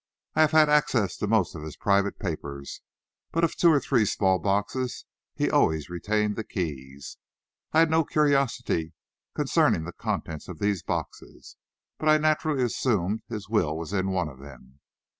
I have had access to most of his private papers, but of two or three small boxes he always retained the keys. I had no curiosity concerning the contents of these boxes, but I naturally assumed his will was in one of them.